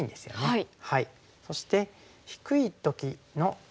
はい。